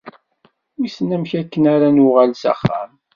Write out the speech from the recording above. Wissen amek akken ara nuɣal s axxam.